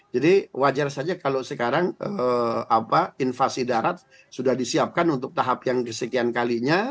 jadi wajar saja kalau sekarang invasi darat sudah disiapkan untuk tahap yang kesekian kali